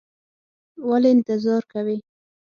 ولې انتظار کوې؟